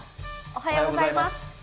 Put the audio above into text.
おはようございます。